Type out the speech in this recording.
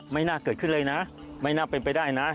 น่าเกิดขึ้นเลยนะไม่น่าเป็นไปได้นะ